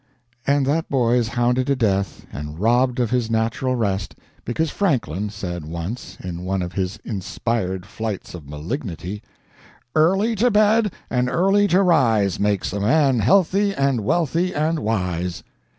And that boy is hounded to death and robbed of his natural rest, because Franklin, said once, in one of his inspired flights of malignity: Early to bed and early to rise Makes a man healthy and wealthy and wise.